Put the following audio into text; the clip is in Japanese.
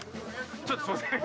ちょっとすいません